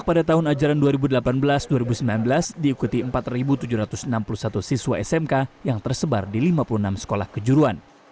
pada tahun ajaran dua ribu delapan belas dua ribu sembilan belas diikuti empat tujuh ratus enam puluh satu siswa smk yang tersebar di lima puluh enam sekolah kejuruan